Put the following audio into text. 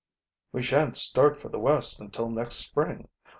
"We shan't start for the West until next spring.